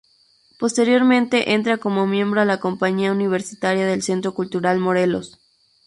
Posteriormente entra como miembro a la Compañía Universitaria del Centro Cultural Morelos.